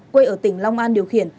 quê ở tỉnh long an điều khiển